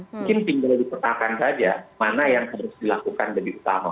mungkin tinggal dipetakan saja mana yang harus dilakukan lebih utama